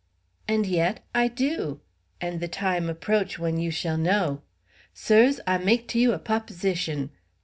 "And yet I do! And the time approach when you shall know! Sirs, I make to you a p'oposition.